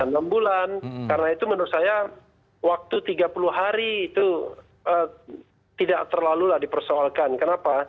enam bulan karena itu menurut saya waktu tiga puluh hari itu tidak terlalulah dipersoalkan kenapa